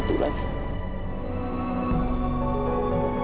tapi kalau ada satu teman